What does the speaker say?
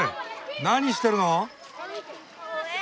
何してるの？